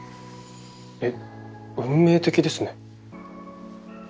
えっ運命的ですね。